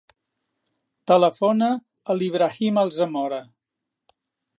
Telefona a l'Ibrahim Alzamora.